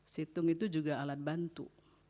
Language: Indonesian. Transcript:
situng itu juga alat bantu